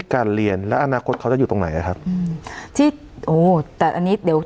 การเรียนแล้วอนาคตเขาจะอยู่ตรงไหนอ่ะครับอืมที่โอ้แต่อันนี้เดี๋ยว